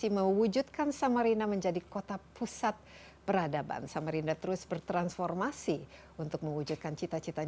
nah dengan visi mewujudkan samarinda menjadi kota pusat peradaban samarinda terus bertransformasi untuk mewujudkan kota pusat peradaban